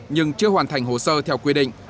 nhưng chưa hoàn thành hồ sơ theo quy định